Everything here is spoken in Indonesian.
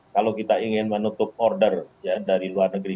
kalau kita ingin menutup order ya dari luar negeri